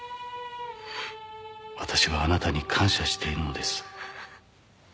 「私はあなたに感謝しているのです」